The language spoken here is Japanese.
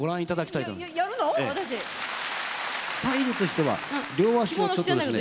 スタイルとしては両足をちょっとですね。